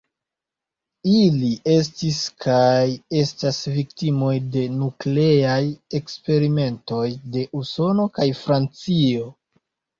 Ili estis kaj estas viktimoj de nukleaj eksperimentoj de Usono kaj Francio.